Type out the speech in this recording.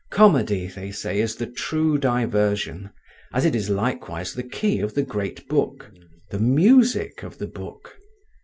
Comedy, they say, is the true diversion, as it is likewise the key of the great Book, the music of the Book.